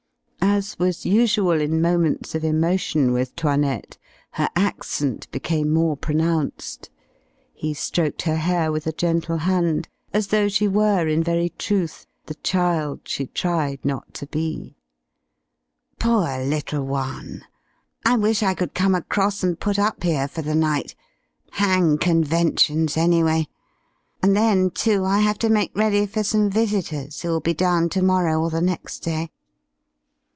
As was usual in moments of emotion with 'Toinette, her accent became more pronounced. He stroked her hair with a gentle hand, as though she were in very truth the child she tried not to be. "Poor little one! I wish I could come across and put up here for the night. Hang conventions, anyway! And then too I have to make ready for some visitors who will be down to morrow or the next day."